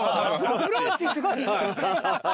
アプローチすごい。